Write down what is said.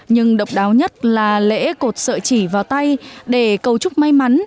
nhưng độc đáo nhất là lễ cột sợi chỉ vào tay để cầu chúc may mắn